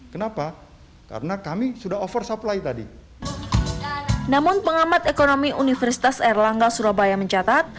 karena kami sudah oversupply tadi namun pengamat ekonomi universitas erlangga surabaya mencatat